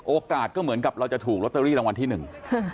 โอกาสก็เหมือนกับเราจะถูกลอตเตอรี่รางวัลที่หนึ่ง